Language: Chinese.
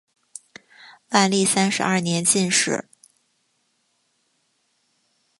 万历三十二年进士。